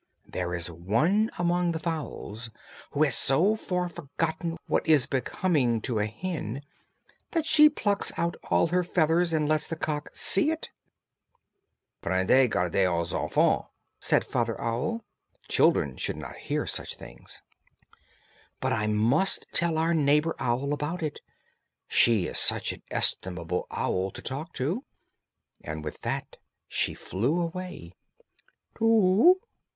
There is one among the fowls who has so far forgotten what is becoming to a hen that she plucks out all her feathers and lets the cock see it." "Prenez garde aux enfants!" said father owl; "children should not hear such things." "But I must tell our neighbour owl about it; she is such an estimable owl to talk to." And with that she flew away. "Too whoo!